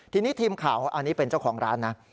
ทีนี้ทีมข่าวอันนี้เป็นเจ้าของร้านนะ